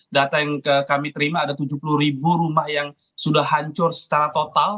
data yang kami terima ada tujuh puluh ribu rumah yang sudah hancur secara total